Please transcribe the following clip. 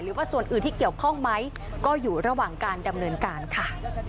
หรือว่าส่วนอื่นที่เกี่ยวข้องไหมก็อยู่ระหว่างการดำเนินการค่ะ